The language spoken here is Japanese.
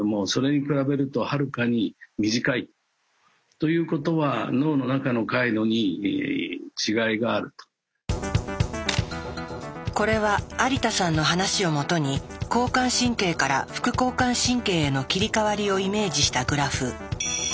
そういう意味では通常のこれは有田さんの話をもとに交感神経から副交感神経への切り替わりをイメージしたグラフ。